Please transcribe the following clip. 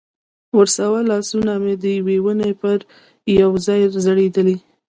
ورساوه، لاسونه مې د ونې پر یوې را ځړېدلې.